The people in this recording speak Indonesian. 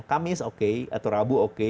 kamis oke atau rabu oke